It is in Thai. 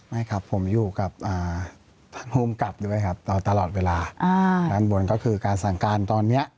ไม่ครับผมอยู่กับท่านภูมิกับด้วยครับเราตลอดเวลาด้านบนก็คือการสั่งการตอนเนี้ย